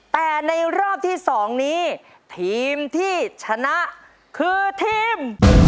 แต่ในรอบที่๒นี้ทีมที่ชนะคือทีม